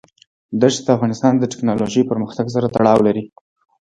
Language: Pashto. دښتې د افغانستان د تکنالوژۍ پرمختګ سره تړاو لري.